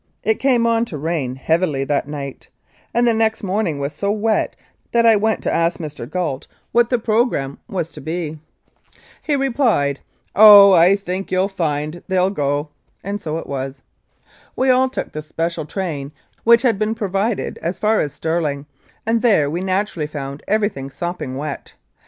It came on to rain heavily that night, and the next morning was so wet that I went to ask Mr. Gait what the programme 88 1898 1902. Lethbridge and Macleod was to be. He replied, "Oh ! I think you'll find they'll go," and so it was. We all took the special train which had been provided as far as Stirling, and there we naturally found everything sopping wet.